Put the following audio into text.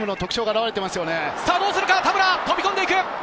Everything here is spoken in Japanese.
どうするか、田村、飛び込んでいく。